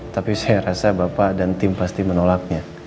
tapi saya rasa bapak dan tim pasti menolaknya